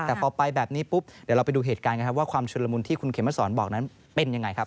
แต่พอไปแบบนี้ปุ๊บเดี๋ยวเราไปดูเหตุการณ์กันครับว่าความชุนละมุนที่คุณเขมสอนบอกนั้นเป็นยังไงครับ